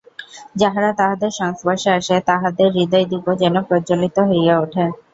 যাহারা তাঁহাদের সংস্পর্শে আসে, তাহাদের হৃদয়দীপও যেন প্রজ্বলিত হইয়া উঠে।